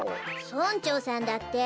村長さんだって。